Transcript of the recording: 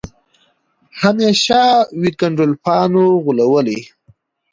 همېشه وي ګنډکپانو غولولی